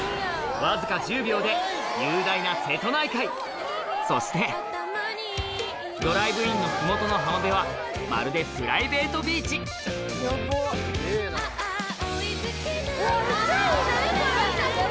わずか１０秒で雄大なそしてドライブインの麓の浜辺はまるでプライベートビーチめっちゃいい！